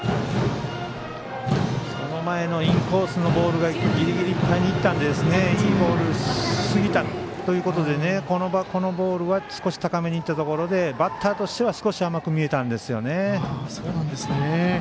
その前のインコースのボールがギリギリいっぱいにいったのでいいボールすぎたということでこのボールは少し高めにいったところでバッターとしては少し甘く見えたんですよね。